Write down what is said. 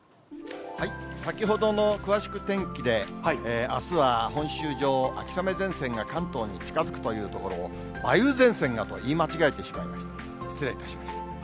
先ほどの詳しく天気で、あすは本州上、秋雨前線が関東に近づくというところを、梅雨前線だと言い間違えてしまいました、失礼いたしました。